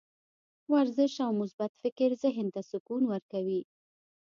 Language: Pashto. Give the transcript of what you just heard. ورزش او مثبت فکر ذهن ته سکون ورکوي.